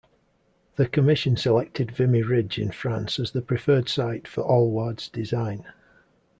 The commission selected Vimy Ridge in France as the preferred site for Allward's design.